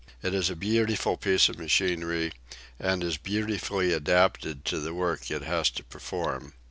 It is a beautiful piece of machinery, and is beautifully adapted to the work it has to perform.